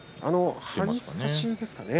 張り差しですかね。